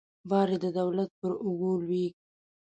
بار یې د دولت پر اوږو لویږي.